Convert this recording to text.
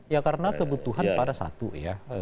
ya karena kebutuhan pada satu ya